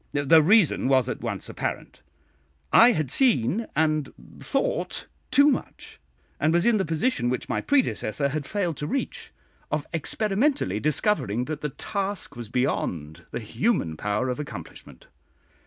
The reason was at once apparent I had seen and thought too much; and was in the position which my predecessor had failed to reach, of experimentally discovering that the task was beyond the human power of accomplishment.